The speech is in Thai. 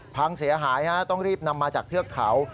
พังเสียหายต้องรีบนำมาจากเทือกเขา